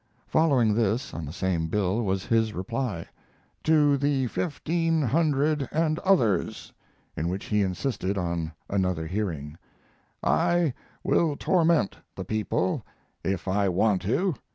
Following this (on the same bill) was his reply, "To the fifteen hundred and others," in which he insisted on another hearing: I will torment the people if I want to....